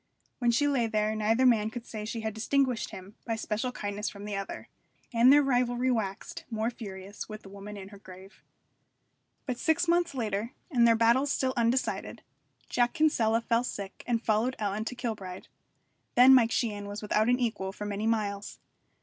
When she lay there neither man could say she had distinguished him by special kindness from the other. And their rivalry waxed more furious with the woman in her grave. But six months later, and their battles still undecided, Jack Kinsella fell sick and followed Ellen to Kilbride. Then Mike Sheehan was without an equal for many miles.